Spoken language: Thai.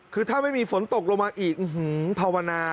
คือถ้าไม่มีฝนตกลงมาอีกภาวนา